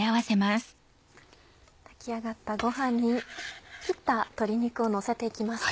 炊き上がったごはんに切った鶏肉をのせて行きます。